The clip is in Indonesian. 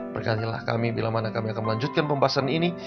berkajilah kami bila mana kami akan melanjutkan pembahasan ini